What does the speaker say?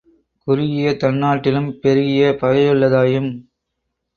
குறுகிய தன்னாட்டிலும் பெருகிய பகையுள்ளதாயும்